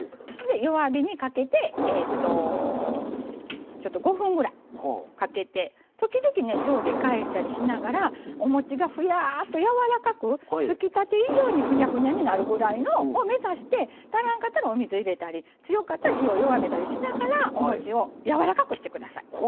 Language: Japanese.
弱火にかけてちょっと５分ぐらいかけて時々ね上下返したりしながらおもちがふやっとやわらかくつきたて以上にふにゃふにゃになるぐらいを目指して足らんかったらお水を入れたり強かったら火を弱めたりしながらおもちをやわらかくして下さい。